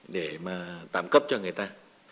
để mà tạm giữ